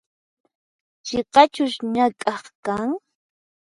Chiqachus ñak'aq kan?